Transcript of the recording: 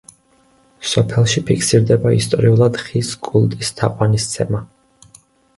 სოფელში ფიქსირდება ისტორიულად ხის კულტის თაყვანისცემა.